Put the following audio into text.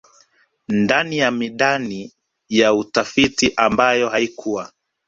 ndani ya midani ya utafiti ambayo haikuwa